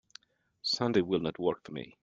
Sunday will not work for me.